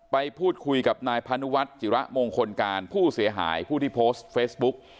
ไปพูดคุยกับนายพานุวัฒน์จิระมงคลการผู้เสียหายผู้ที่โพสต์เฟซบุ๊ก